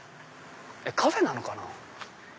カフェなのかな？